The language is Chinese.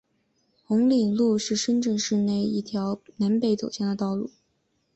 红岭路是深圳市内一条南北走向的道路。